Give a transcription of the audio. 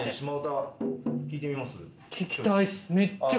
聞きたいっす。